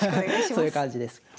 そういう感じです。